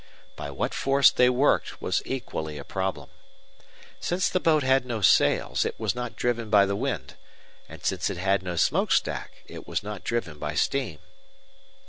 By what force they worked, was equally a problem. Since the boat had no sails, it was not driven by the wind; and since it had no smoke stack, it was not driven by steam.